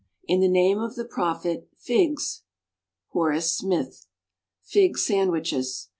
In the name of the Prophet figs! Horace Smith. =Fig Sandwiches.